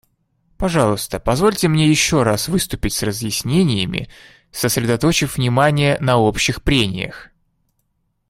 Пожалуйста, позвольте мне еще раз выступить с разъяснениями, сосредоточив внимание на общих прениях.